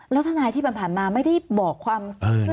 แล้วทนายที่ปันผ่านมาไม่ได้บอกความเคลื่อนไหว